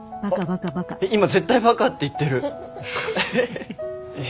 今絶対バカって言ってる！